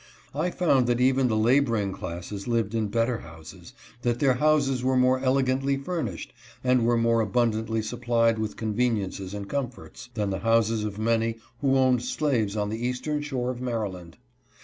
I found that even the laboring classes lived in better houses, that their houses were more elegantly furnished and were more abundantly supplied with conveniences and com forts, than the houses of many who owned slaves on the Eastern Shore of Maryland.